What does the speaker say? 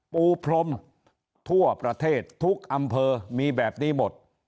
ปูพรมทั่วประเทศทุกอำเภอมีแบบนี้หมด